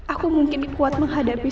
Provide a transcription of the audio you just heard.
aku mungkin kuat menghadapi